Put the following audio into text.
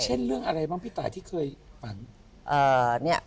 เรื่องอะไรบ้างพี่ตายที่เคยฝัน